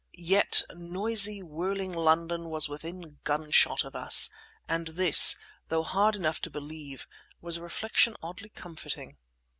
Yet noisy, whirling London was within gunshot of us; and this, though hard enough to believe, was a reflection oddly comforting.